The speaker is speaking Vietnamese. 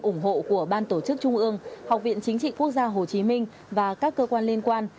ủng hộ của ban tổ chức trung ương học viện chính trị quốc gia hồ chí minh và các cơ quan liên quan